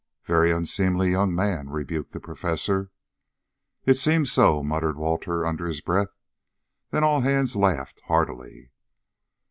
"Very unseemly, young man," rebuked the Professor. "It seems so," muttered Walter under his breath; then all hands laughed heartily.